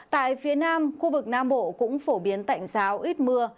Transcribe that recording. tại phía nam khu vực nam bộ cũng phổ biến tạnh giáo ít mưa